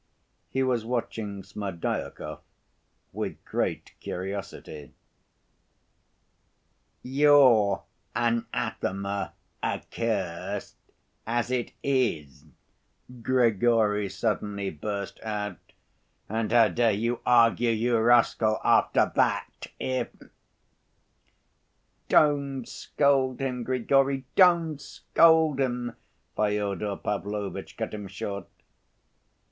He was watching Smerdyakov with great curiosity. "You're anathema accursed, as it is," Grigory suddenly burst out, "and how dare you argue, you rascal, after that, if—" "Don't scold him, Grigory, don't scold him," Fyodor Pavlovitch cut him short.